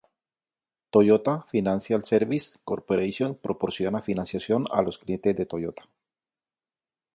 Toyota Financial Services Corporation proporciona financiación a los clientes de Toyota.